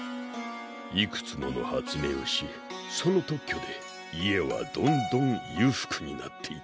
いくつもの発明をしその特許で家はどんどん裕福になっていった。